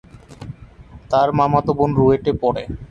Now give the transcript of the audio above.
তার মামাতো বোন রুয়েটে পড়ে।